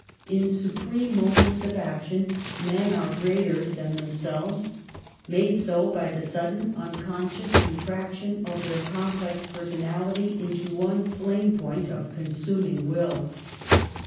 In supreme moments of action, men are greater than them selves — made so by the sudden, unconscious con* traction of their complex personality into one flame point of consuming will.